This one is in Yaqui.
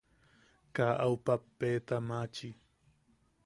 Kaa au pappeta maachi.